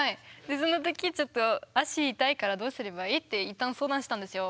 でその時ちょっと「足痛いからどうすればいい？」って一旦相談したんですよ。